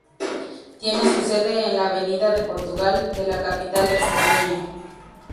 Tiene su sede en la Avenida de Portugal de la capital extremeña.